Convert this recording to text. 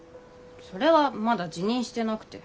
それはまだ自認してなくて。